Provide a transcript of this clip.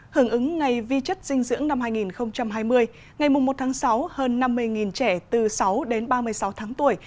hưởng ứng ngày vi chất dinh dưỡng năm hai nghìn hai mươi ngày một tháng sáu hơn năm mươi trẻ từ sáu đến ba mươi sáu tháng tuổi